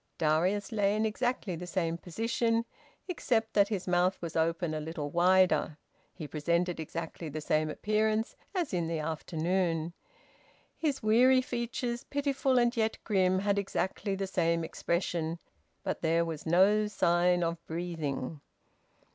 Darius lay in exactly the same position; except that his mouth was open a little wider, he presented exactly the same appearance as in the afternoon. His weary features, pitiful and yet grim, had exactly the same expression. But there was no sign of breathing.